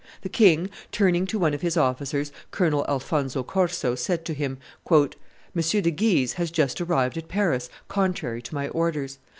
The king, turning to one of his officers, Colonel Alphonso Corso, said to him, "M. de Guise has just arrived at Paris, contrary to my orders.